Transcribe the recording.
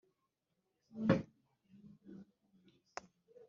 umuryango ukorera imirimo yawo mu turere twose